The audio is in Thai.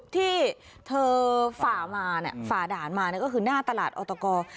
ที่เธอฝ่ามาเนี่ยฝ่าด่านมาเนี่ยก็คือหน้าตลาดออตโกร